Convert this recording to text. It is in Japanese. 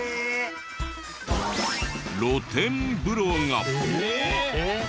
露天風呂が。